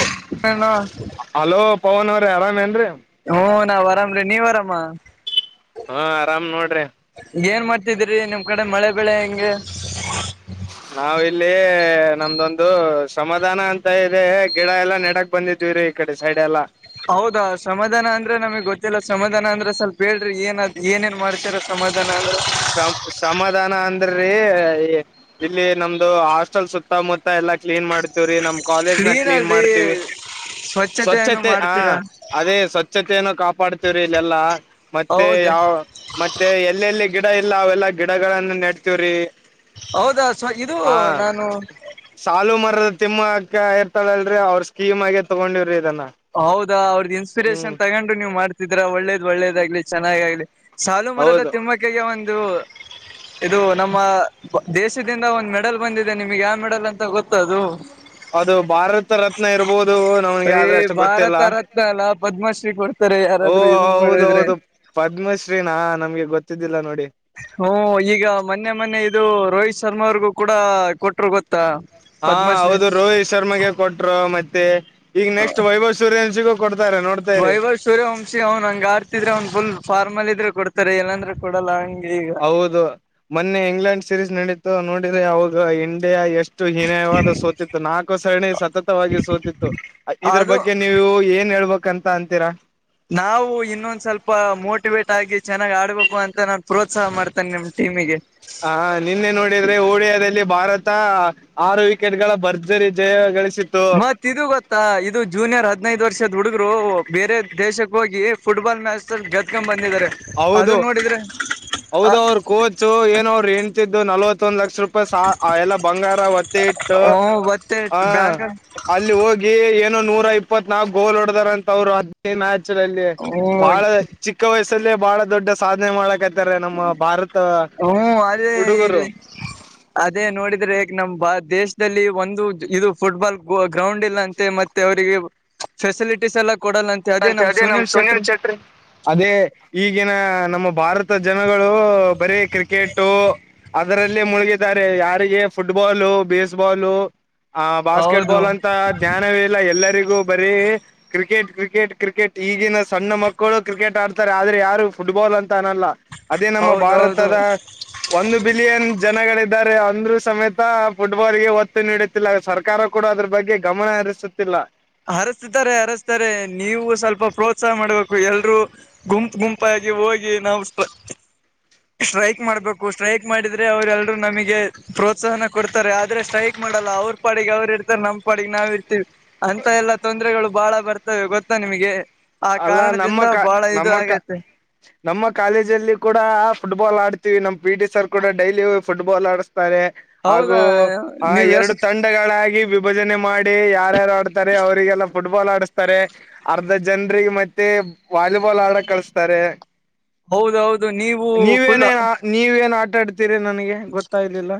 ಹಓ hello hello Pavan ಅವ್ರೇ ಆರಾಮ್ ಏನ್ರೀ ಹ್ಮ್ ನಾವ್ ಆರಾಮ್ರೀ ನೀವ್ ಆರಾಮ ಹಾ ಆರಾಮ್ ನೋಡ್ರಿ ಏನ್ ಮಾಡ್ತಿದಿರಿ ನಿಮ್ ಕಡೆ ಮಳೆ ಬೆಳೆ ಹೆಂಗ ನಾವ್ ಇಲ್ಲಿ ನಮ್ದೊಂದು ಶ್ರಮಾಧಾನ ಅಂತ ಇದೆ ಗಿಡ ಎಲ್ಲಾ ನೆಡಕ್ ಬಂದಿದೀವ್ರೀ ಈ ಕಡೆ ಸೈಡ ಎಲ್ಲಾ ಹೌದಾ ಸಮಾಧಾನ ಅಂದ್ರೆ ನಮಗ್ ಗೊತ್ತಿಲ್ಲ ಸಮಾಧಾನ ಅಂದ್ರ ಸ್ವಲ್ಪ ಹೇಳ್ರಿ ಏನ್ ಏನೇನ್ ಮಾಡ್ ಇತರ ಸಮಾಧಾನ [unintelligible] [inaudible] ಸಮ ಸಮಾಧಾನ ಅಂದ್ರೀ ಈ ಇಲ್ಲಿ ನಮ್ದು ಹಾಸ್ಟೆಲ್ ಸುತ್ತಮುತ್ತ ಎಲ್ಲಾ ಕ್ಲೀನ್ ಮಾಡ್ತಿವ್ರೀ ನಮ್ ಕಾಲೇಜ್ ನಾಗ ಕ್ಲೀನ್ ಮಾಡ್ತೀವಿ ಸ್ವಚ್ಛತೆಯನ್ನು ಸ್ವಚ್ಛತೆ ಹಾ ಮಾಡ್ತೀರಾ ಅದೇ ಸ್ವಚ್ಛತೆಯನು ಕಾಪಾಡ್ತಿವ್ರಿ ಇಲ್ಲೆಲ್ಲಾ ಮತ್ತೆ ಹೌದ ಯಾವ ಮತ್ತೆ ಎಲ್ಲೆಲ್ಲಿ ಗಿಡಾ ಇಲ್ಲಾ ಅವೆಲ್ಲಾ ಗಿಡಗಳನ್ನ ನೆಡ್ತವ್ರಿ ಹೌದಾ ಅಸ್ಪ ಇದು ಹಾ ನಾನು ಸಾಲು ಮರದ ತಿಮ್ಮಕ್ಕ ಇರ್ತಾಳಲ್ರರಿ ಅವ್ರ ಸ್ಕೀಮ್ ಆಗಿ ತೊಗೊಂಡಿವ್ರಿ ಇದನ್ನ ಹೌದಾ ಅವ್ರದ ಹ್ಮ್ ಇನ್ಸ್ಪಿರೇಷನ್ ತಗೊಂಡು ನೀವ್ ಮಾಡ್ತಿದ್ರ ಒಳ್ಳೇದ್ ಒಳ್ಳೇದಾಗ್ಲಿ ಚೆನ್ನಾಗ್ಲಿ ಸಾಲು ಮರದ ಹೌದು ತಿಮ್ಮಕ್ಕಗೆ ಒಂದು ಇದು ನಮ್ಮ ದೇಶದಿಂದ ಒಂದ್ ಮೆಡಲ್ ಬಂದಿದೆ ನಿಮ್ಗೆ ಯಾವ ಮೆಡಲ್ ಅಂತ ಗೊತ್ತಾ ಅದು ಅದು ಭಾರತ ರತ್ನ ಇರಬಹದು ನಮ್ಗೆ ಆದ್ರೆ ಅಷ್ಟು ಗೊತ್ತ ಭಾರತರತ್ನ ಅಲ್ಲ ಪದ್ಮಶ್ರೀ ಕೊಡ್ತಾರೆ ಓ ಯಾರಾದ್ರರು ಇದು ಮಾಡಿದ್ರೆ ಹೌದೌದು ಪದ್ಮಶ್ರೀನಾ ನಮ್ಗೆ ಗೊತ್ತಿದ್ದಿಲ್ಲಾ ನೋಡಿ ಹುಂ ಈಗ ಮೊನ್ನೆ ಮೊನ್ನೇ ಇದು ರೋಹಿತ್ ಶರ್ಮಾ ಅವ್ರಿಗೂ ಕೂಡ ಕೊಟ್ಟರು ಗೊತ್ತ ಹಾ ಹೌದು ರೋಹಿತ್ ಶರ್ಮಗೆ ಕೊಟ್ರು ಮತ್ತೆ ಈಗ ನೆಕ್ಸ್ಟ್ ವೈಭವ್ ಸೂರ್ಯವಂಶಿಗೂ ಕೊಡ್ತಾರ ನೋಡ್ತಾರಿ ವೈಭವ್ ಸೂರ್ಯವಂಶಿ ಅವ್ನ್ ಹಂಗ ಆಡ್ತಿದ್ರೆ ಅವ್ನ್ ಫುಲ್ ಫಾರ್ ಅಲ್ಲ ಇದ್ರೆ ಕೊಡ್ತಾರೆ ಇಲ್ಲಾಂದ್ರೆ ಕೊಡಲ್ಲ ಹಂಗ ಈಗ ಹೌದು ಮೊನ್ನೆ ಇಂಗ್ಲೆಂಡ್ ಸೀರೀಸ್ ನಡೀತು ನೋಡಿದ್ರೆ ಅವಾಗ ಇಂಡಿಯಾ ಎಷ್ಟ ಎಷ್ಟು ಹೀನಯವಾದ ಸೋತಿತ್ತು ನಾಲ್ಕು ಸರಣಿ ಸತತವಾಗಿ ಸೋತಿತ್ತು ಇದ್ರ ಅದು ಬಗ್ಗೆ ನೀವು ಏನ್ ಹೇಳ್ಬೇಕ್ಂತಿರಾ ನಾವು ಇನ್ನೊಂದ ಸ್ವಲ್ಪ ಮೋಟಿವೇಟ್ ಆಗಿ ಚೆನ್ನಾಗಿ ಆಡ್ಬೇಕು ಅಂತ ನಾನ್ ಪ್ರೋತ್ಸಾಹ ಮಾಡ್ತೇನೆ ನಿಮ್ ಟೀಮಿಗಿ ಹಾ ನಿನ್ನೆ ನೋಡಿದ್ರೆ ಓಡಿಯಾದಲ್ಲಿ ಭಾರತ ಆರು ವಿಕೆಟ್ ಗಳ ಭರ್ಜರಿ ಜಯ ಗಳಿಸಿ ಮತ್ ಇದು ಗೊತ್ತಾ ಇದು ಜೂನಿಯರ್ ಹದಿನೈದ ವರ್ಷದ್ ಹುಡುಗರು ಬೇರೆ ದೇಶಕ್ ಹೋಗಿ ಫುಟ್ಬಾಲ್ ಮ್ಯಾಚದಲಿ ಗೆದ್ದಕೊಂಡ್ ಬಂದಿದ್ದಾರೆ ಅದು ಹೌದು ನೋಡಿದ್ರೆ ಹೌದು ಅವ್ರ ಕೋಚು ಏನ ಅವರ ಎಂಡತಿದ್ದು ನಲ್ವತ್ತೊಂದು ಲಕ್ಷ ರೂಪಾಯಿ [unintelligible] ಎಲ್ಲಾ ಬಂಗಾರ ಒತ್ತಿ ಇಟ್ಟು ಹ್ಮ ಮತ್ತೆ ಹ ಬ್ಯಾಂಕ್ ಅಲ್ಲಿ ಹೋಗಿ ಏನೋ ನೂರ ಇಪ್ಪತ್ ನಾಲ್ಕು ಗೋಲ್ ಹೊಡದಾರಂತ ಅವ್ರು ಮ್ಯಾಚಲ್ಲಿ ಹ್ಮ ಬಹಳ ಚಿಕ್ಕ ವಯಸ್ಸಿನಲ್ಲೇ ಬಹಳ ದೊಡ್ಡ ಸಾಧನೆ ಮಾಡಕತ್ತ ನಮ್ಮ ಭಾರತ ಹ್ಮ ಅದೇ ಹುಡುಗುರು ಇಲ್ಲಿ ಅದೇ ನೋಡಿದ್ರೆ ಈ ನಮ್ ಬ ದೇಶದಲ್ಲಿ ಒಂದು ಇದು ಫುಟ್ಬಾಲ್ ಗ್ರೌಂಡ್ ಇಲ್ಲಾ ಮತ್ತೆ ಮತ್ತೆ ಅವರಿಗೆ ಫೆಸಿಲಿಟೀಸ್ ಎಲ್ಲಾ ಕೊಡಲ್ಲಂತೆ ಅಂತೆ ನಮ್ ಅದೇ ನಮ ಸುನೀಲ್ ಸುನಿಲ್ ಚಟ್ರಿ ಚೆಟ್ರಿ ಅದೇ ಈಗಿನ ನಮ್ಮ ಭಾರತ ಜನಗಳು ಬರೀ ಕ್ರಿಕೆಟು ಅದರಲ್ಲೇ ಮುಳುಗಿದ್ದಾರೆ ಯಾರಿಗೆ ಫುಟ್ಬಾಲು ಬೇಸ್ಬಾಲು ಆ ಬಾಸ್ಕೆಟ್ ಹೌದು ಬಾಲ್ ಅಂತ ಜ್ಞಾನವೇ ಇಲ್ಲ ಎಲ್ಲರಿಗೂ ಬರೀ ಕ್ರಿಕೆಟ್ ಕ ಕ್ರಿಕೆಟ್ ಕ್ರಿಕೆಟ್ ಈಗಿನ ಸಣ್ಣ ಮಕ್ಕಳು ಕ್ರಿಕೆಟ್ ಆಡ್ತಾರೆ ಆದ್ರೆ ಯಾರು ಫುಟ್ಬಾಲ್ ಅಂತ ಅನ್ನಲ್ಲಾ ಅದೇ ನಮ್ಮ ಹೌದೌದು ಭಾರತದ ಒಂದು ಬಿಲಿಯನ್ ಜನಗಳಿದ್ದಾರೆ ಅಂದ್ರು ಸಮೇತ ಫುಟ್ಬಾಲ್ಗೆ ಒತ್ತು ನೀಡುತ್ತ ಸರ್ಕಾರ ಕೂಡ ಅದ್ರ ಬಗ್ಗೆ ಗಮನ ಹರಿಸುತ್ತಿಲ್ಲ. ಅರಸ್ತತಾರೆ ಅರಸ್ತಾರೆ ನೀವು ಸ್ವಲ್ಪ ಪ್ರೋತ್ಸಾಹ ಮಾಡ್ಬೇಕು ಎಲ್ರರು. ಗುಂಪು ಗುಂಪಾಗಿ ಹೋಗಿ ನಾವು. ಸ್ಟ್ರೈಕ್ ಮಾಡ್ಬೇಕು ಸ್ಟ್ರೈಕ್ ಮಾಡಿದ್ರೆ ಅವ್ರ. ನಮಗೆ ಪ್ರೋತ್ಸಾಹನ ಕೊಡ್ತಾರೆ ಆದ್ರೆ ಸ್ಟ್ರೈಕ್ ಮಾಡಲ್ಲ ಅವ್ರ ಪಾಡಿಗೆ ಅವ್ರು ಇರ್ತಾರೆ ನಮ್ಮ್ ಪಾಡಿಗೆ ನಾವ್ ಇರ್. ಅಂತ ಎಲ್ಲಾ ತೊಂದ್ರರೆಗಳು ಬಾಳ ಬರ್ತವೆ ಗೊತ್ತಾ ನಿಮಗೆ. ಆ ಅಲ್ಲಾ ನಮ್ಮ ಕಾರಣದಿಂದ ಕ ಬಹಳ ಇದು ನಮ್ಮ ಕ ಆಗತ್ತೆ. ನಮ್ಮ ಕಾಲೇಜ ಅಲ್ಲಿ ಕೂಡ ಫುಟ್ಬಾಲ್ ಆಡ್ತೀವಿ ನಮ್ ಪಿ ಟಿ ಸರ್ ಕೂಡ ಡೈಲಿ ಫುಟ್ಬಾಲ್ ಆಡಸ್ತಾರೆ. ಹೌದಾ ಹಾಗು ಆ ನೀವ್ ಎರಡು ಎಷ್ಟ್ ತಂಡ. ಗಳಾಗಿ ವಿಭಜನೆ ಮಾಡಿ ಯಾರ್ಯಾರು ಆಡ್ತಾರೆ ಅವರಿಗೆಲ್ಲಾ ಫುಟ್ಬಾಲ್ ಆಡಸ್ತಾರೆ ಅರ್ಧ. ಜನ್ರಿಗೆ ಮತ್ತೆ ವಾಲಿಬಾಲ್ ಆಡ ಕಳಸ್ತಾರೆ. ಹೌದೌದು ನೀವು ಫುಲ್ ನೀವೇನೇನ್ ನೀವೇನ್ ಆಟಾ ಆಡ್ತೀರಿ ನನಗೆ ಗೊತ್ತಾಗಲಿಲ್ಲ.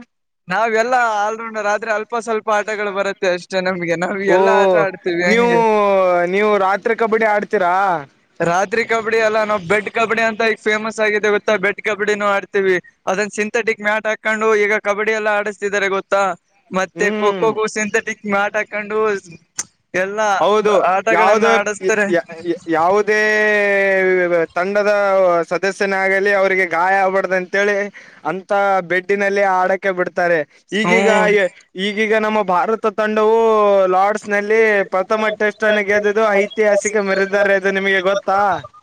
ನಾವೆಲ್ಲಾ ಆಲ್ರೌಂಡರ್ ಆದ್ರೆ ಅ. ನಾವ್ ಓ ಎಲ್ಲಾ ಆಟ ಆಡ್ತೀವಿ ನೀವು ಹಂಗೆ ನೀವು ರಾತ್ರಿ ಕಬಡ್ಡಿ ಆಡ್. ಹು. ರಾತ್ರಿ ಕಬಡ್ಡಿ ಎಲ್ಲಾ ನಾವು ಬೆಡ್ ಕಬಡ್ಡಿ ಅಂತ ಈಗ ಫೇಮಸ್ ಆಗಿದೆ ಇತ್ತ ಬೆಡ್ ಕಬಡ್ಡಿನೂ ಆಡ್ತೀವಿ. ಅದನ್ ಸಿಂಥೆಟಿಕ್ ಮ್ಯಾಟ್ ಹಾಕೊಂಡು ಈಗ ಕಬಡ್ಡಿ ಎಲ್ಲ ಆಡಿಸ್ತಿದ್ದಾರೆ ಗೊತ್ತಾ ಮತ್ತೆ. ಹ್ಮ್ ಹೋಗು ಸಿಂಥಟಿಕ್ ಮಟ್್ ಹಾಕೊಂಡು. ಎಲ್ಲಾ ಹೌದು ಯಾವ್ದ. ಆಟಗಳನ್ನ ಆಡಸ್ತಾರೆ ಯಾವುದೇ ತಂಡದ ಸದಸ್ಯನ ಆಗಲಿ ಅವ್ರಿಗೆ ಗಾಯ ಆಗ್ಬಾರ್ದ ಅಂತೇಳಿ ಅಂತ ಬೆಡ್ಡಿನಲ್ಲಿ ಆಡಕೆ ಬಿಡ್ತಾರೆ. ಈಗೀಗ ಹ್ಮ್ ಈಗೀಗ ನಮ್ಮ ಭಾರತ ತಂಡವು ಲಾರ್ಡ್ಸ್ ನಲ್ಲಿ. ಮಟ್ಟಷ್ಟ ಗೆದು ಐತಿಹಾಸಿಕ ಮೆರದಾರ ಇದು ನಿಮಗೆ ಗೊತ್ತಾ.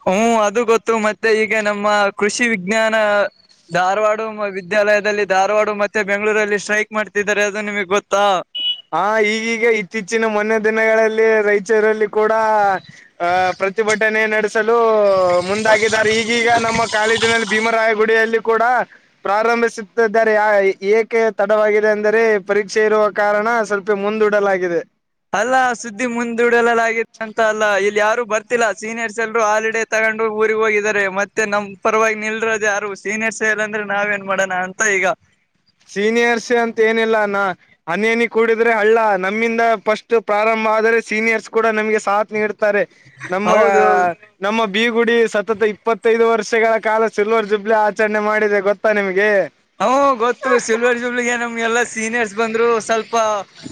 ಹ್ಮ್ ಅದು ಗೊತ್ತು ಮತ್ತೆ ಈಗ ನಮ್ಮ ಕೃಷಿ ವಿಜ್ಞಾನ. ಧಾರವಾಡ ವಿದ್ಯಾಲಯದಲ್ಲಿ ಧಾರವಾಡ ಮತ್ತೆ ಬೆಂಗಳೂರಲ್ಲಿ ಸ್ಟ್ರೈಕ್ ಮಾಡ್ತಿದ್ದಾರೆ ಅದು ನಿಮಗ್ ಗೊತ್ತಾ. ಹಾ ಈಗೀಗ ಇತ್ತೀಚಿನ ಮೊನ್ನೆ ದಿನಗಳಲ್ಲಿ ರೈಚೂರಲ್ಲೇ. ಕೂಡ ಅ ಪ್ರತಿಭಟನೆ ನಡೆಸಲು ಮುಂದಾಗಿದ್ದಾರೆ ಈಗೀಗ ನಮ್ಮ. ಕಾಲೇಜಿನಲ್ಲಿ ಭೀಮರಾಯಗುಡಿಯಲ್ಲಿ ಕೂಡ. ಪ್ರಾರಂಭಿಸುತ್ತಿದ್ದಾರೆ ಏಕೆ ತಡವಾಗಿದೆ ಅಂದರೆ ಪರೀಕ್ಷೆ ಇರುವ ಕಾರಣ. ಸ್ವಲ್ಪ ಮುಂದೂಡಲಾಗಿದೆ. ಅಲ್ಲ ಸುದ್ದಿ ಮುಂದೂಡಲಲಗತ್ತು ಅಂತಲ್ಲ ಇಲ್ಲಿ ಯಾರು ಬರ್ತಿಲ್ಲಾ ಸೀನಿಯರ್ಸ್ ಎಲ್ರೂ ಹಾಲಿಡ. ತಗೊಂಡ್ ಊರಿಗೆ ಹೋಗಿದ್ದಾರೆ ಮತ್ತೆ ನಮ್ ಪರವಾಗಿ ನಿಲ್ರೋದದು ಯಾರು ಸೀನಿಯರ್ ಸೆವೆಲ್ ಅಂದ್ರೆ ನಾವ್ ಏನ್ ಮಾಡೋಣ ಅಂತ ಈಗ. ಸೀನಿಯರ್ಸ್ ಅಂತ ಏನಿಲ್ಲ ಅಾನ ಹನಿ ಹನಿ ಕೂಡಿದ್ರೆ ಹಳ್ಳ ನಮ್ಮಿಂದ ಫಸ್ಟ್ ಪ್ರಾರಂಭ ಆದ್ರೆ ಸೀನಿಯರ್ಸ್ ಕೂಡ ನಮ್ಗೆ ಸಾಥ್ ನೀಡ್ತಾರೆ. ತಾರೆ ನಮ್ಮ ಹೌದು ನಮ್ಮ ಬಿೀಗುಡಿ ಸತತ ಇಪ್ಪತ್ತೈದು ವರ್ಷಗಳ. ಕಾಲ ಸಿಲ್ವರ್ ಜುಬ್ಲಿ ಆಚರಣೆ ಮಾಡಿದೆ ಗೊತ್ತಾ ನಿಮ್ಗೆ. ಹ್ಮ ಗೊತ್ತು ಸಿಲ್ವರ್ ಜೂಬ್ಲಿಗೆ ನಮ್ಗೆಲ್ಲಾ ಸೀನಿಯರ್ಸ್ ಬಂದ್ರು ಸ್ವಲ್ಪ.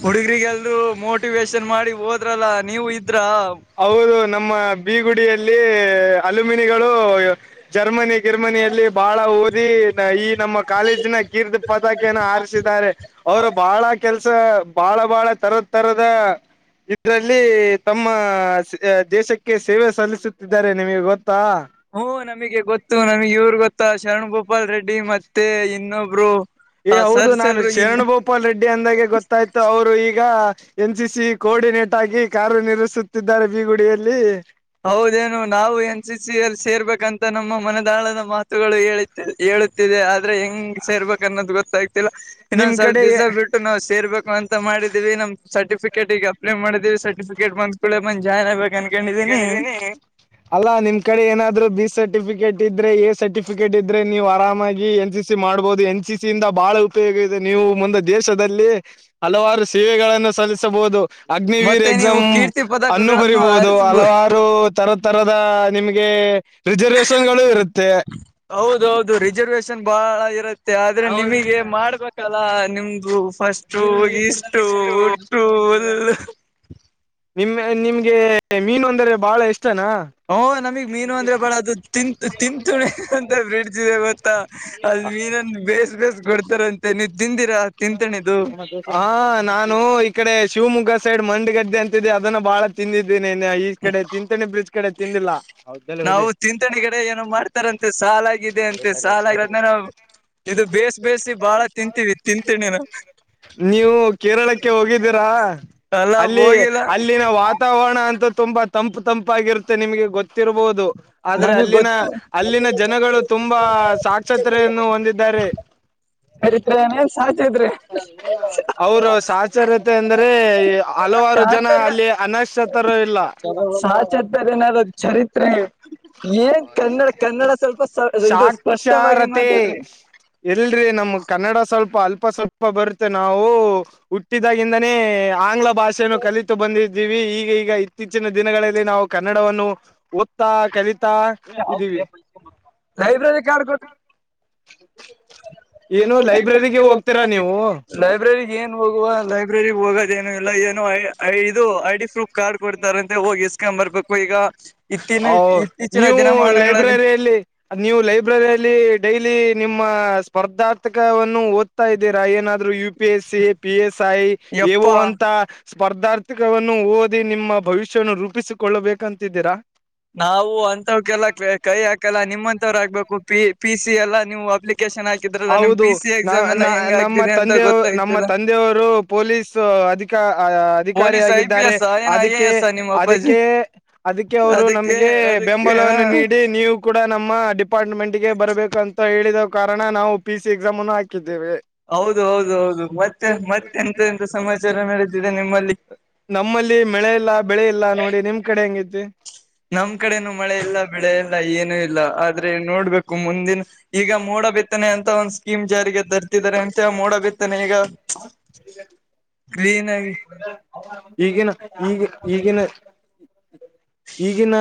ಹುಡುಗ್ರರಿಗೆಲ್ೂ ಮೋಟಿವೇೇಶನ್ ಮಾಡಿ ಹೋದ್ರಲ್ಲ ನೀವು ಇದ್ರ. ಹೌದು ನಮ್ಮ ಬಿೀಗುಡಿಯಲ್ಲಿ ಅಲ್ಮಿನಿಗಳು ಜರ್ಮನಿ ಗಿರ್ಮನಿಯಲ್ಲಿ ಬಾಳ ಓದಿ. ಈ ನಮ್ಮ ಕಾಲೇಜಿನ ಕೀರ್ತಿ ಪತಾಕಿಯನ್ನು ಹಾರಿಸಿದ್ದಾರೆ. ಅವರು ಬಾಳ ಕೆಲ್ಸ ಬಹಳ ಬಹಳ ತರ ತರದ ಇದ್ರಲ್ಲಿ ತಮ್ಮ. ಆ ದೇಶಕ್ಕೆ ಸೇವೆ ಸಲ್ಲಿಸುತ್ತಿದ್ದಾರೆ ನಿಮಗೆ ಗೊತ್ತಾ. ಹ್ಮ ನಮಗೆ ಗೊತ್ತು ನಮಗ್ ಇವ್ರ ಗೊತ್ತಾ ಶರಣ್ ಗೋಪಾಲ್ ರೆಡ್ಡಿ ಮತ್ತೆ ಇನ್ನೊಬ್ರು. ಏ ಆ ಹೌದು ಸರ್ಸ್ ನಾನು ಎಲ್ರು ಇಲ್ಲ ಶರಣ್ ಭೋಪಾಲ್ ರೆಡ್ಡಿ ಅಂದಾಗೆ ಗೊತ್ತಾಯ್ತು ಅವರು ಈಗ ಎನ್ ಸಿ ಸಿ ಕೋಆರ್ಡಿನೇಟ್ ಆಗಿ ಕಾರ್ಯ ನಿರ್ವಹಿಸುತ್ತಿದ್ದಾರೆ ಬೀಗುಡಿಯಲ್ಲಿ ಹೌದೇನು ನಾವು ಎನ್ ಸಿ ಸಿ ಅಲ್ಲಿ ಸೇರ್ಬೇಕಂತ ನಮ್ಮ ಮನದಾಳದ ಮಾತುಗಳು ಹೇಳ ಹೇಳುತ್ತಿದೆ ಆ ಅಂದ್ರೆ ಹೆಂಗ್ ಸೇರ್ಬೇಕ ಅನ್ನೋದು ಗೊತ್ತಾಗ್ತಿಲ್ಲ ನಿಮ್ ಇನ್ನೊಂದ್ ಸ್ವಲ್ಪ ಕಡೆ ದಿವಸ ಬಿಟ್ಟು ನಾವು ಸೇರ್ಬೇಕು ಅಂತ ಮಾಡಿದೀವಿ ನಮ್ದ ಸರ್ಟಿಫಿಕೇಟ್ ಈಗ ಅಪ್ಲಯ ಮಾಡಿದೀವಿ ಸರ್ಟಿಫಿಕೇಟ್ ಬಂದ ಬಂದ್ ಜಾಯಿನ್ಬೇಕು ಅನ್ಕೊಂಡಿದ್ದ [unintelligible] ಅಲ್ಲಾ ನಿಮ್ ಕಡೆ ಏನಾದ್ರು ಬಿ ಸರ್ಟಿಫಿಕೇಟ್ ಇದ್ರೆ ಎ ಸರ್ಟಿಫಿಕೇಟ್ ಇದ್ರೆ ನೀವು ಆರಾಮಾಗಿ ಎನ್ ಸಿ ಸಿ ಮಾಡ್ಬಹುದು ಎನ್ ಸಿ ಸಿಯಿಂದ ಬಹಳ ಉಪಯೋಗ ಇದೆ ನೀವು ಮುಂದೆ ದೇಶದಲ್ಲಿ ಹಲವಾರು ಸೇವೆಗಳನ್ನು ಸಲ್ಲಿಸಬಹುದು ಅಗ್ನಿವೀರ್ ಮತ್ತೆ ನೀವು ಎಕ್ಸಾಮ್ ಕೀರ್ತಿ ಅನ್ನು ಪದಕಗಳನ್ನು ಬರಿಬಹುದು ಆರಿಸಬಹುದು ಹಲವಾರು ತರ ತರದ ನಿಮ್ಗೆ ರಿಸರ್ವೇಶನ್ ಗಳು ಇರುತ್ತೆ ಹೌದೌದು ರಿಸರ್ವೇಶನ್ ಬಾಳ ಇರುತ್ತೆ ಆದ್ರೆ ನಿಮಗೆ ಮಾಡ್ಬೇಕಲ್ಲಾ ನಿಮ್ದು ಫಸ್ಟು ಇಷ್ಟು ಟೂಲ್ ನಿಮ್ ನಿಮ್ಗೆ ಮೀನು ಅಂದ್ರೆ ಬಾಳ ಇಷ್ಟನಾ ಓ ನಮಗ್ ಮೀನು ಅಂದ್ರೆ ಬಾಳ ಅದು ತಿಂತ ತಿಂತಣಿ ಅಂತ ಬ್ರಿಡ್ಜ್ ಇದೆ ಗೊತ್ತಾ ಅದ ಮೀನಂದ ಬೇಸ್ ಬೇಸ್ ಕೊಡ್ತಾರಂತೆ ನೀವ್ ತಿಂದಿರಾ ತಿಂತಣಿದು ಹಾ ನಾನು ಈ ಕಡೆ ಶಿವಮೊಗ್ಗ ಸೈಡ್ ಮಂಡ್ ಗದ್ದೆ ಅಂತಿದ್ದೆ ಅದನ್ನ ಬಾಳ ತಿಂದಿದ್ದೀನೆ ಈ ಈ ಕಡೆ ತಿಂತನೆ ಬ್ರಿಜ್ ಕಡೆ ತಿಂದಿಲ್ಲಾ ಹೌದಲ್ಲೆ ಹುಲಿ ನಾವು ತಿಂತಣಿ ಕಡೆ ಏನೋ ಮಾಡ್ತಾರಂತೆ ಸಾಲಾಗಿದೆ ಅಂತೆ ಸಾಲ ಅ ನಾವು ಇದು ಬೇಸ್ ಬೇಸಿ ಬಹಳ ತಿಂತೀವಿ ತಿಂತಿ [unintelligible] ನೀವು ಕೇರಳಕ್ಕೆ ಹೋಗಿದ್ದೀರಾ ಅಲ್ಲ ಅಲ್ಲಿ ಹೋಗಿಲ್ಲ ಅಲ್ಲಿನ ವಾತಾವರ ವರಣ ಅಂತ ತುಂಬಾ ತಂಪ್ ತಂಪಾಗಿರುತ್ತೆ ನಿಮ್ಗೆ ಗೊತ್ತಿರ್ಬಹುದು ಆದ್ರೆ ನಮಗ್ ಅಲ್ಲಿನ ಗೊತ್ತ ಅಲ್ಲಿನ ಜನಗಳು ತುಂಬಾ ಸಾಕ್ಷತೆಯನ್ನು ಹೊಂದಿದ್ದಾರೆ ಮರಿತ್ಏನನ್ ಸಾತ ಇದ್ರಿ [unintelligible] [unintelligible] ಅವರು ಸಾಚರತೆ ಅಂದರೆ ಹಲವಾರು ಜನ ಅಲ್ಲಿ ಅನಶತರು ಇಲ್ಲಾ ಸಾಹಚತರ್ ಏನಾದ್ ಚರಿತ್ರೆ ಏನ್ ಕನ್ನಡ ಕನ್ನಡ ಸ್ವಲ್ಪ ಇದು ಸ್ಪಷ್ಟವಾಗಿ ಸಾಕ್ಷರತೆ ಮಾತಾಡ್ರಿ ಇಲ್ರರಿ ನಮ್ಗ್ ಕನ್ನಡ ಸ್ವಲ್ಪ ಅಲ್ಪ ಸ್ವಲ್ಪ ಬರುತ್ತೆ ನಾವು ಹುಟ್ಟಿದಾಗಿಂದಾನೇ ಆಂಗ್ಲ ಭಾಷೆನ ಕಲಿತು ಬಂದಿದ್ದೀವಿ ಈಗ ಈಗ ಇತ್ತೀಚಿನ ದಿನಗಳಲ್ಲಿ ನಾವು ಕನ್ನಡವನ್ನು ಓದ್ತಾ ಕಲಿತಾ ಇದೀವಿ [unintelligible] ಲೈಬ್ರರಿ ಕಾರ್ಡ್ ಕೊಟ್ ಏನು ಲೈಬ್ರ ಲೈಬ್ರರಿಗೆ ಹೋಗ್ತ ಹೋಗ್ತೀರಾ ನೀವು ಲೈಬ್ರ ಏನು ಹೋಗುವ ಲೈಬ್ರರಿ ಹೋಗದ ಎನು ಇಲ್ಲಾ ಏನು ಇದು ಐ ಡಿ ಪ್ರೂಫ್ ಕಾರ್ಡ್ ಕೊಡ್ತಾರಂತೆ ಹೋಗಿ ಇಸ್ಕೊ ಬರ್ಬೇಕು ಈಗ [unintelligible] ನೀವು ದಿನಮಾನಗಳಲ್ಲಿ ಲೈಬ್ರರಿಯಲ್ಲಿ ನೀವು ಲೈಬ್ರರಿಯಲ್ಲಿ ಡೈಲಿ ನಿಮ್ಮ ಸ್ಪರ್ಧಾರ್ಥಕವನ್ನು ಓದ್ತಾ ಇದ್ದೀರಾ ಏನಾದ್ರೂ U P S C P S I ಇವು ಯಪ್ಪಾ ಅಂತಾ ಸ್ಪರ್ಧಾರ್ಥಿಕವನ್ನು ಓದಿ ನಿಮ್ಮ ಭವಿಷ್ಯವನ್ನು ರೂಪಿಸಿಕೊಳ್ಳಬೇಕಂತಿದ್ದೀರಾ. ನಾವು ಅಂತವ್ಕಲ್ಲ ಕೈ ಹಾಕಲ್ಲ ನಿಮ್ಮಂತವರು ಹಾಕಬೆಕು ಪಿ ಪಿ ಸಿ ಎಲ್ಲ ನೀವು ಅಪ್ಲಿ ಹೌದು ನ ನಾ ಹೆಂಗ ನಮ್ಮ ಆಗ್ತಿದೆ ಅಂತ ತಂದೆಯ ನಮ್ಮ ಗೊತ್ತಾಗ್ತಿಲ್ಲ ತಂದೆಯವರು ಪೊಲೀಸ್ ಅಧಿಕ ಪೊಲೀಸ್ ಐ ಪಿ ಅಧಿಕಾರಿಯಾಗಿದ್ದಾರೆ ಎಸ್ ಏನ ಐ ಎ ಅದಕ್ಕೆ ಎಸ್ ನಿಮ್ಮ ಅಪ್ಪಾಜಿ ಅದಕ್ಕೆ ಅದಕ್ಕೆ ಅವರು ಅದಕ್ಕೆ ನಮಗೆ ಅದಕ್ಕೆ ಹ ಬೆಂಬಲವನ್ನು ನೀಡಿ ನೀವು ಕೂಡ ನಮ್ಮ ಡಿಪಾರ್ಟ್ಮೆಂಟ್ ಗೆ ಬರಬೇಕು ಅಂತ ಹೇಳಿದ ಕಾರಣ ನಾವು ಪಿ ಸಿ ಎಕ್ಸಾಮ್ ಅನ್ನು ಹಾಕಿದ್ದೇವೆ ಹೌದು ಹೌದು ಹೌದು ಮತ್ತೆ ಮತ್ತೆ ಎಂತ ಎಂತ ಸಮಾಚಾರ ನಡೆದಿದೆ ನಿಮ್ಮಲ್ಲಿ ನಮ್ಮಲ್ಲಿ ಮಳೆ ಇಲ್ಲಾ ಬೆಳೆ ಇಲ್ಲಾ ನೋಡಿ ನಿಮ್ಮ ಕಡೆ ಹೆಂಗ ಐತಿ. ನಮ್ ಕಡೆನು ಮಳೆ ಇಲ್ಲ ಬೆಳೆ ಎಲ್ಲ ಏನು ಇಲ್ಲ ಆದ್ರೆ ನೋಡ್ಬೇಕು ಮುಂದಿನ ಈಗ ಮೋಡ ಬಿತ್ತನೆ ಅಂತ ಒಂದ್ ಸ್ಕೀಮ್ ಜಾರಿಗೆ ತರ್ತಿದ್ದಾರೆ ಅಂತೆ ಮೋಡ ಬಿತ್ತನೆ ಈಗ ಕ್ಲೀನ್ ಆಗಿ [unintelligible] ಈಗಿನ ಈಗ ಈಗಿನ ಈಗಿನ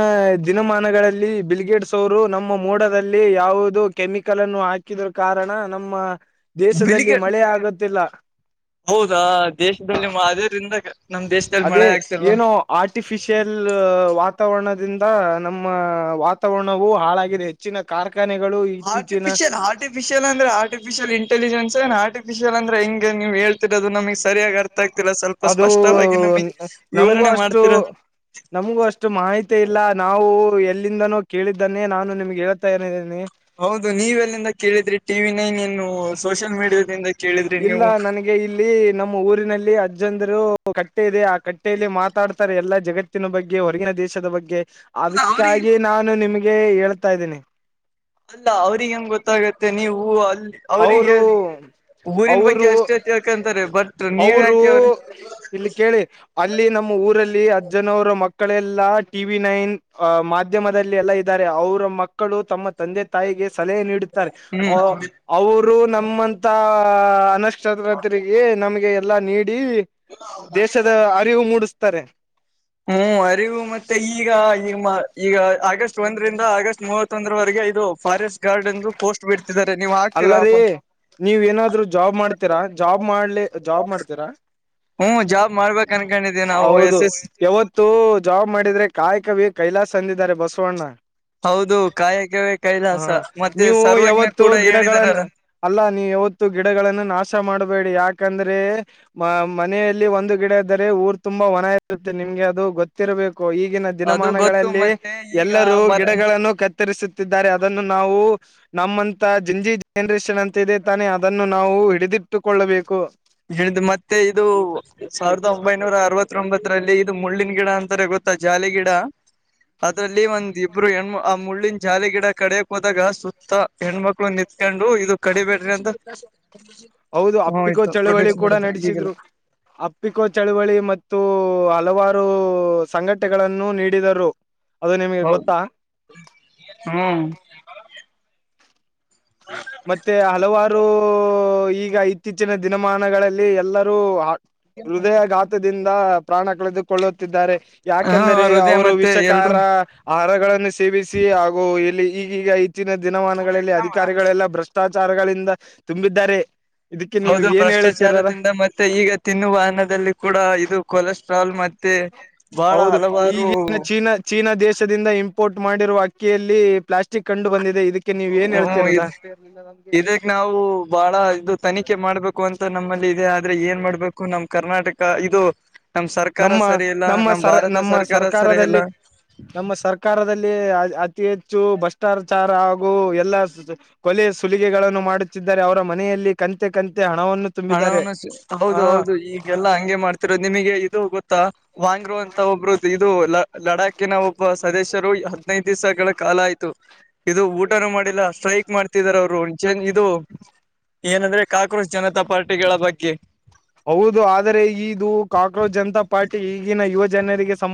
ದಿನಮಾನಗಳಲ್ಲಿ ಬಿಲ್ಗೇಡ್ಸ ಅವರು ನಮ್ಮ ಮೊಡದಲ್ಲಿ ಯಾವುದು ಕೆಮಿಕಲ್ ಅನ್ನು ಹಾಕಿ ಇದರ ಕಾರಣ ನಮ್ಮ ದೇಶದಲ್ಲಿ ಬಿಳಿಗೆ ಮಳೆ ಆಗುತ್ತಿಲ್ಲ. ಹೌದಾ ದೇಶದಲ್ಲಿ ಅದ್ರಿಂದ ನಮ್ ದೇಶದಲ್ಲಿ ಮಳೆ ಅದೇ ಆಗ್ತಿಲ್ವಾ? ಏನೋ ಆರ್ಟಿಫಿಶಿಯಲ್ ವಾತಾವರಣದಿಂದ ನಮ್ಮ ವಾತಾವರಣವು ಹಾಳಾಗಿದೆ. ಇಚ್ಚಿನ ಕಾರ್ಖಾನೆಗಳು ಇಚ್ಚಿಚಿನ ಆರ್ಟಿಫಿಶಿಯಲ್ ಅಂದ್ರ ಆರ್ಟಿಫಿಶಿಯಲ್ ಇಂಟಲಿಜನ್ಸ ಆರ್ಟಿಫಿಶಿಯಲ್ ಅಂದ್ರ ಹಂಗೆ ನೀವು ಹೇಳತಿ [unintelligible] ರೋದು ನಮಗ್ ಸರಿಯಾಗಿ ಅರ್ಥ ಆಗ್ತಿಲ್ಲ ಸ್ವಲ್ಪ ಅದು ಸ್ಪಷ್ಟವಾಗಿ ನಮಗೆ ನಮಗೂ ವಿವರಣೆ ಅಷ್ಟು ಮಾಡ್ತಿರಾ ನಮಗೂ ಅಷ್ಟು ಮಾಹಿತಿ ಇಲ್ಲ ನಾವು ಎಲ್ಲಿಂದನೂ ಕೇಳಿದ್ದನ್ನೇ ನಾನು ನಿಮ್ಗೆ ಹೇಳ್ತಾನೆ ಇದಾನೆ ಹೌದು ನೀವೆ ಎಲ್ಲಿಂದ ಕೇಳಿದ್ರಿ ಟಿವಿ ನೈನ್ ಏನು ಸೋಷಿಯಲ್ ಮೀಡಿಯಾದಿಂದ ಕೇಳಿದ್ರಿ ಇಲ್ಲ ನೀವು ನನಗೆ ಈ ಇಲ್ಲಿ ನಮ್ಮ ಊರಿನಲ್ಲಿ ಅಜ್ಜಂದರು ಕಟ್ಟೆ ಇದೆ ಆ ಕಟ್ಟೆಯಲ್ಲಿ ಮಾತಾಡ್ತಾರೆ ಎಲ್ಲಾ ಜಗತ್ತ ಜಗತ್ತಿನ ಬಗ್ಗೆ ಹೊರಗಿನ ದೇಶದ ಬಗ್ಗೆ ಹೌದಾ ಅವ್ರಿಗೆ ಅದಕ್ಕಾಗಿ ನಾನು ನಿಮಗೆ ಹೇಳ್ತಾ ಇದಿನಿ. ಅಲ್ಲ ಅವ್ರಿಗೆ ಹೆಂಗ್ ಗೊತ್ತಾಗತ್ತೆ ನೀವು ಅಲ್ಲಿ ಅವರಿಗೆ ಅವರು [inaudible] ಊರಿನ ಬಗ್ಗೆ ಅವರು ಅಷ್ಟೇ ಜ ಯಾಕಂತಾರೆ ಬಟ್ ನೀವ್ ಅವರು ಯಾಕೆ ಅವ್ರಿ ಇಲ್ಲಿ ಕೇಳಿ ಅಲ್ಲಿ ನಮ್ಮ ಊರಲ್ಲಿ ಅಜ್ಜನವರ ಮಕ್ಕಳೆಲ್ಲ ಟಿವಿ ನೈನ್ ಅ ಮಾಧ್ಯ ಮಾಧ್ಯಮದಲ್ಲಿ ಎಲ್ಲ ಇದ್ದಾರೆ ಅವರ ಮಕ್ಕಳು ತಮ್ಮ ತಂದೆ ತಾಯಿಗೆ ಸಲಹೆ ನೀ ಇದ್ದಾರೆ ಹ್ಮ್ ಅವರು ನಮ್ಮಂತ... ಅನಕ್ಷತ್ರರಿಗೆ ಎಲ್ಲ ನೀಡಿ ದೇಶದ ಅರಿವು ಮೂಡಸತಾರೆ ಹು ಅ ಅರಿವು ಮತ್ತೆ ಈಗ ಮ ಈಗ ಅಗಸ್ಟ್ ಒಂದರಿಂದ ಅಗಸ್ಟ ಮೂವತ್ತೊಂದರವರೆಗೆ ಇದು ಫಾರೆಸ್ಟ ಗಾರ್ಡನದ ಪೋಸ್ಟ ಬಿಡ್ತಿದಾರೆ ನೀವ್ ಹಾಕ್ತೀರಾಪ ನೀವ ಏನಾದ್ರು ಜಾಬ್ ಮಾಡ್ತೀರಾ ಜಾಬ್ ಮಾಡ್ಲಿ ಜಾಬ್ ಮಾಡ್ತೀರಾ? ಹ್ಮ್ ಜಾಬ್ ಮಾಡ್ಬೇಕ ಅನ್ಕೊಂಡಿದೀವಿ [unintelligible] ನಾವು ಹೌದು ಎಸ್ ಎಸ್ ಯಾವತ್ತು ಇದು ಜಾಬ್ ಮಾಡಿದ್ರೆ ಕಾಯಕವೇ ಕೈಲಾಸ ಅಂದಿದ್ದಾರೆ ಬಸವಣ್ಣ ಹೌದು ಕಾಯಕವೇ ಹ ಕೈಲಾಸ ಮತ್ತೆ ನೀವು ಸರ್ವ ಯಾವತ್ತು ಗಿಡಗಳನ್ನ [inaudible] ಅಲ್ಲ ನೀವು ಯಾವತ್ತು ಗಿಡಗಳನ್ನ ನಾಶ ಮಾಡಬೇಡಿ ಯಾಕಂದ್ರೆ... ಮ ಮನೆಯಲ್ಲಿ ಒಂದು ಗಿಡ ಇದ್ದರೆ ಊರ್ ತುಂಬಾ ವನ ಇರತತಿ ನಿಮ್ಗೆ ಅದು ಗೊತ್ತಿರಬೇಕು ಈಗಿನ ಅದು ಗೊತ್ತು ದಿನಮಾನಗಳಲ್ಲಿ ಮತ್ತೆ ಈಗ ಎಲ್ಲರೂ ಮರ ಗಿಡಗಳನ್ನು ಕತ್ತರಿಸುತ್ತಿದ್ದಾರೆ ಅದನ್ನು ನಾವು ನಮ್ಮಂತ ಜಿಂಜಿ ಜನರೇಷನ್ ಅಂತ ಇದೆ ತಾನೆ ಅದನ್ನು ನಾವು ಹಿಡಿದಿಟ್ಟುಕೊಳ್ಳಬೇಕು. ಹೇಳಿದ್ದ ಮತ್ತೆ ಇದು ಸಾವಿರದ ಒಂಬೈನೂರ ಅರವತ್ತೊಂಬತ್ತರಲ್ಲಿ ಇದು ಮುಳ್ಳಿನ ಗಿಡ ಅಂತಾರೆ ಗೊತ್ತ? ಮತ್ತ ಜಾಲಿ ಗಿಡಾ ಅದ್ರಲ್ಲಿ ಒಂದ ಇಬ್ರು ಹೆಣ್ಮ ಆ ಮುಳ್ಳಿನ ಜಾಲಿ ಗಿಡ ಕಡಿಯಕ್ ಹೋದಾಗ ಸುತ್ತ ಹೆಣ್ಮಕ್ಳು ನಿತ್ಕೊಂಡು ಇದು ಕಡಿಬೇಡ್ರಿ ಅಂತ ಹೌದು ಹ ಅಪ್ಪಿಕೋ ಆಯ್ತು ಚಳವಳಿ ಪ್ರೊಟೆಕ್ಷನ್ ಕೂಡ ಮಾಡಿದ್ರು ಈಗೆಲ್ಲ ನಡೆಸಿದ್ರು ಅಪ್ಪಿಕೋ ಚಳವಳಿ ಮತ್ತು ಹಲವಾರು ಸಂಘಟಗಳನ್ನು ನೀಡಿದರು ಅದು ನಿಮಗೆ ಗೊತ್ತಾ? ಹು [unintelligible] ಮತ್ತೆ ಹಲವಾರು ಈಗ ಇತ್ತೀಚಿನ ದಿನಮಾನಗಳಲ್ಲಿ ಎಲ್ಲರೂ... ಹೃದಯಘಾತದಿಂದ ಪ್ರಾಣ ಕಳೆದುಕೊಳ್ಳುತ್ತಿದ್ದಾರೆ. ಹಾ ಯಾಕೆಂದ್ರ ಹೃದಯ ಅವರು ಮತ್ತೆ ಎಲ್ರು ವಿಷಕಾರ ಆಹಾರಗಳನ್ನು ಸೇವಿಸಿ ಹಾಗು ಇಲ್ಲಿ ಈಗೀಗ ಇತ್ತಿನ ದಿನಮಾನಗಳಲ್ಲಿ ಅಧಿಕಾರಿಗಳೆಲ್ಲ. ಭ್ರಷ್ಟಾಚಾರಗಳಿಂದ ತುಂಬಿದ್ದಾರೆ. ಇದಕ್ಕೆ ನೀವು ಹೌದು ಏನ್ ಹೇಳತೀರಾರ ಭ್ರಷ್ಟಾಚಾರದಿಂದ ಮತ್ತೆ ಈಗ ತಿನ್ನುವ ಅನ್ನದಲ್ಲಿ ಕೂಡ ಇದು ಕೊಲೆಸ್ಟ್ರಾಲ್ ಮೆ. ಮತ್ತೆ ಬಹಳ ಹೌದು ಹಲವಾರು. ಈಗಿನ ಚೀನಾ ಚೀನಾ ದೇಶದಿಂದ ಇಂಪೋರ್ಟ್ ಮಾಡಿರುವ ಅಕ್ಕಿಯಲ್ಲಿ ಪ್ಲಾಸ್ಟಿಕ್ ಕಂಡು ಬಂದಿದೆ ಇದಕ್ಕೆ. ಇದಕ್ ನೀವ್ ಏನ್ ಹ್ಮ್ ಇದು ಹೇಳ್ತಿರದಾಲಗೆ..... ಇದಕ್ ನಾವು ಬಹಳ ಇದು ತನಿಖೆ ಮಾಡ್ಬೇಕು ಅಂತ ನಮ್ಮಲ್ಲಿ ಇದೆ ಆದ್ರೆ ಏನ್ ಮಾಡ್ಬೇಕು ನಮ್. ಕರ್ನಾಟಕ ಇದು ನಮ್ ಸರ್ಕಾರ ನಮ್ಮ ಸರಿ ಇಲ್ಲ ನಮ್ಮ ನಮ ಸರ್ ಭಾರತ ನಮ್ಮ ಸರ್ಕಾರ ಸರಿ ಇಲ್ಲ. ಸರ್ಕಾರದಲ್ಲಿ ನಮ್ಮ ಸರ್ಕಾರದಲ್ಲಿ ಅ ಅತಿ ಹೆಚ್ಚು ಭ್ರಷ್ಟಾಚಾರ ಹಾಗೂ ಎಲ್ಲ. ಕೊಲೆ ಸುಲಿಗೆಗಳನ್ನು ಮಾಡುತ್ತಿದ್ದರೆ ಅವರ ಮನೆಯಲ್ಲಿ ಕಂತೆ ಕಂತೆ ಹಣವನ್ನು. ತುಂಬಿದ್ದಾರೆ ಹಣವನ್ನು ಹೌದು ಹ ಹೌದು ಈಗೆಲ್ಲಾ ಹಂಗೆ ಮಾಡ್ತಿರೋ ನಿಮಗೆ ಇದು ಗೊತ್ತು. ವಾಂಗ್ರು ಅಂತ ಒಬ್ರು ಇದು ಲ ಲಡಾಕಿನ ಒಬ್ಬ ಸದೇಶ. ಹದ್ನೈದು ದಿವಸಗಳ ಕಾಲ ಆಯ್ತು. ಇದು ಊಟನೂ ಮಾಡಿಲ್ಲ ಸ್ಟ್ರೈಕ್ ಮಾಡ್ತಿದಿದ್ದಾರೆ ಅವರು ಚೇಂಜ ಇದು. ಏನಂದ್ರೆ ಕಾಕ್ರೋಚ್ ಜನತಾ ಪಾರ್ಟಿಗಳ ಬಗ್ಗೆ. ಹೌದು ಆದರೆ ಇದು ಕಾಕ್ರೋಜ್ ಜನತಾ ಪಾರ್ಟಿ ಈಗಿನ ಯುವ ಜನರಿಗೆ ಸಂಬಂ.